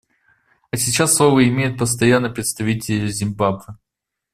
А сейчас слово имеет Постоянный представитель Зимбабве.